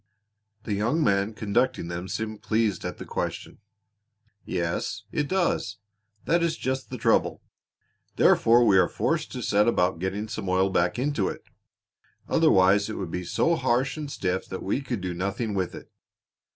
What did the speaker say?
The young man conducting them seemed pleased at the question. "Yes, it does! That is just the trouble. Therefore we are forced to set about getting some oil back into it; otherwise it would be so harsh and stiff that we could do nothing with it.